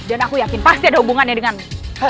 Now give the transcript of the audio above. dan aku yakin pasti ada hubungannya denganmu